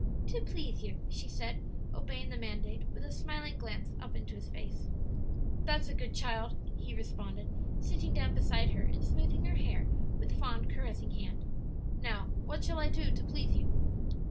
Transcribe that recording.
"To please you," she said, obeying the mandate with a smiling glance up into his face. "That's a good child!" he responded, sitting down beside her and smoothing her hair with fond, caressing hand. "Now, what shall I do to please you?"